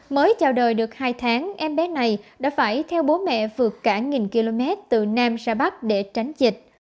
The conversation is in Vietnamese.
mới chào đời được hai tháng em bé này đã phải theo bố mẹ vượt cả nghìn km từ nam ra bắc để tránh dịch